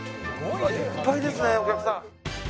いっぱいですねお客さん。